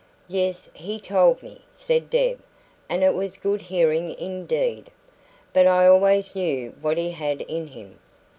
"Yes, he told me," said Deb; "and it was good hearing indeed. But I always knew what he had in him.'